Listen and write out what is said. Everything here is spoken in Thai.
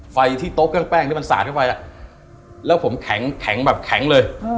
ไฟที่โต๊ะเครื่องแป้งที่มันสาดเข้าไปแล้วผมแข็งแบบแข็งเลย